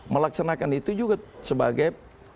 melaksanakan itu juga sebagai